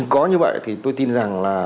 có như vậy thì tôi tin rằng là